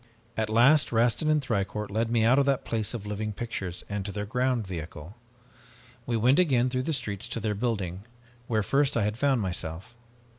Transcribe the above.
"At last Rastin and Thicourt led me out of that place of living pictures and to their ground vehicle. We went again through the streets to their building, where first I had found myself.